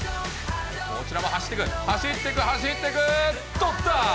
こちらも走ってく、走っていく、走っていく、捕った！